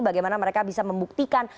bagaimana mereka bisa membuktikan